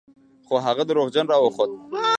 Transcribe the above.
خو هغه دروغجن راوخوت.